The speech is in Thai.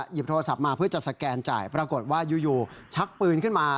หยิบโทรศัพท์มาเพื่อจะสแกนจ่ายปรากฏว่าอยู่ชักปืนขึ้นมา